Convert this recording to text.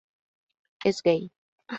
Es gay.